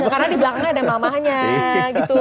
karena di belakangnya ada mamanya gitu